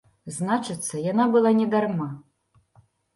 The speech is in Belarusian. Значыцца яна была не дарма.